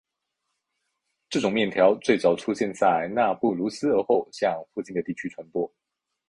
这种面条最早出现在纳布卢斯而后向附近的地区传播。